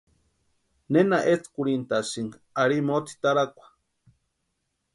Nena etskurhintʼasïnki ari mótsitarakwa.